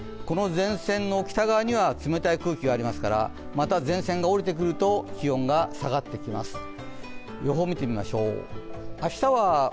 この前線の北側には冷たい空気がありますから、また前線が下りてくると気温が下がってきます。